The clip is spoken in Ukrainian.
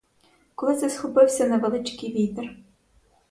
Коли це схопився невеличкий вітер.